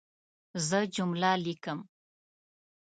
زه جمله لیکم.